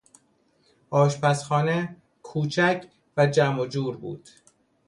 آشپزخانه کوچک و جمع و جور بود.